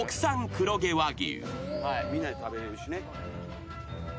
黒毛和牛。